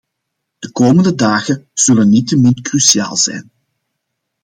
De komende dagen zullen niettemin cruciaal zijn.